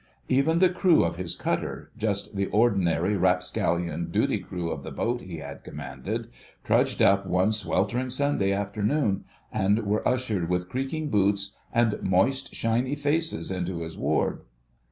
Even the crew of his cutter—just the ordinary rapscallion duty crew of the boat he had commanded—trudged up one sweltering Sunday afternoon, and were ushered with creaking boots and moist, shiny faces into his ward.